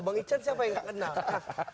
bang ican siapa yang gak kenal